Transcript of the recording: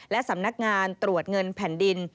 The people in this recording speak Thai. และสำนักงานตรวจเงินแผ่นดิน